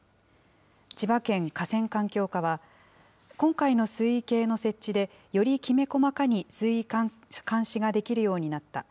千葉県河川環境課は、今回の水位計の設置で、よりきめ細かに水位監視ができるようになった。